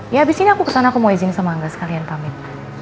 ya abis ini aku kesana aku mau izin sama angga sekalian pamit